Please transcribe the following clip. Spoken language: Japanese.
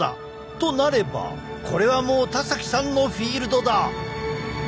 となればこれはもう田崎さんのフィールドだ！